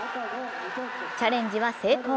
チャレンジは成功。